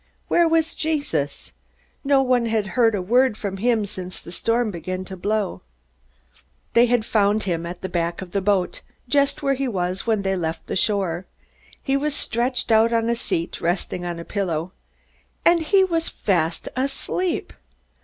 Where was Jesus? No one had heard a word from him since the storm began to blow. They found him at the back of the boat, just where he was when they left the shore. He was stretched out on a seat, resting on a pillow. And he was fast asleep!